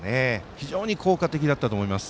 非常に効果的だったと思います。